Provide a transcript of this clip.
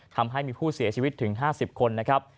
ทำให้มีผู้เสียชีวิตถึง๕๐คนนะครับ